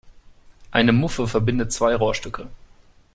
Eine Muffe verbindet zwei Rohrstücke.